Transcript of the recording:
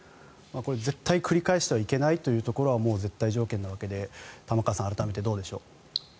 絶対に繰り返してはいけないというのは絶対条件なわけで玉川さん、改めてどうでしょう。